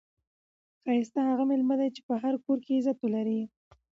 ښایسته هغه میلمه دئ، چي په هر کور کښي عزت ولري.